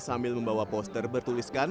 sambil membawa poster bertuliskan